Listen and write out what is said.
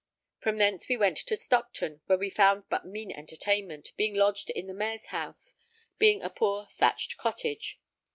From thence we went to Stockton, where we found but mean entertainment, being lodged in the Mayor's house, being a poor thatched cottage.